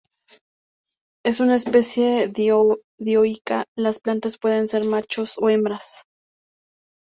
Es una especie dioica, las plantas pueden ser machos o hembras.